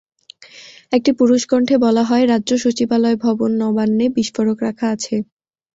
একটি পুরুষ কণ্ঠে বলা হয়, রাজ্য সচিবালয় ভবন নবান্নে বিস্ফোরক রাখা আছে।